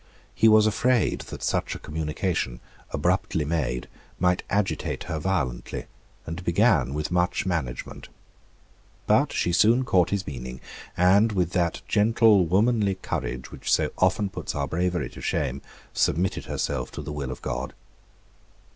He was afraid that such a communication, abruptly made, might agitate her violently, and began with much management. But she soon caught his meaning, and, with that gentle womanly courage which so often puts our bravery to shame, submitted herself to the will of God.